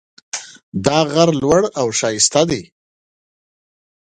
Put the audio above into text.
دا غر لوړ او ښایسته ده